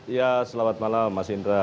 ya selamat malam mas indra